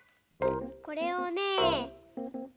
これをね